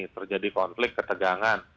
terjadi konflik ketegangan